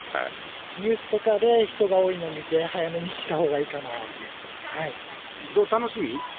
ニュースとかで人が多いの見て、早めに来たほうがいいかなと思って。